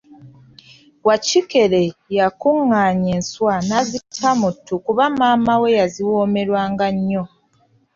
Wakikere yakunganya enswa naaziteeka muttu kuba maama we yaziwomerwanga nnyo.